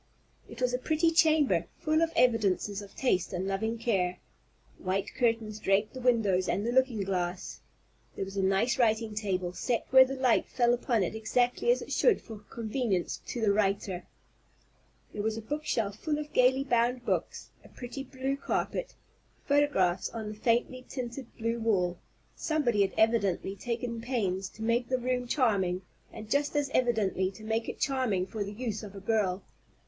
It was a pretty chamber, full of evidences of taste and loving care. White curtains draped the windows and the looking glass. There was a nice writing table, set where the light fell upon it exactly as it should for convenience to the writer. There was a book shelf full of gayly bound books, a pretty blue carpet, photographs on the faintly tinted blue wall, somebody had evidently taken pains to make the room charming, and just as evidently to make it charming for the use of a girl.